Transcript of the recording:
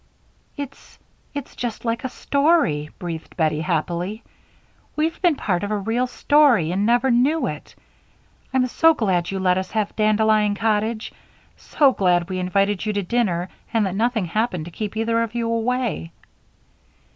"It's it's just like a story," breathed Bettie, happily. "We've been part of a real story and never knew it! I'm so glad you let us have Dandelion Cottage, so glad we invited you to dinner, and that nothing happened to keep either of you away."